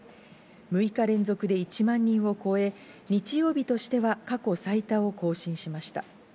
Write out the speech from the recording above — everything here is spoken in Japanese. ６日連続で１万人を超え、日曜日としては過去最多を更新しました。